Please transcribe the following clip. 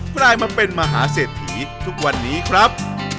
กลายมาเป็นมหาเศรษฐีทุกวันนี้ครับ